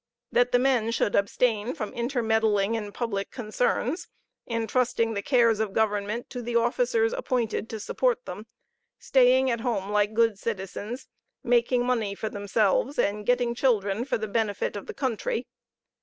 That the men should abstain from intermeddling in public concerns, intrusting the cares of government to the officers appointed to support them staying at home, like good citizens, making money for themselves, and getting children for the benefit of the country.